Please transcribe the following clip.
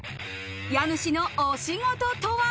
家主のお仕事とは？